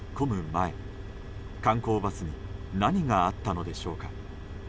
前観光バスに何があったのでしょうか。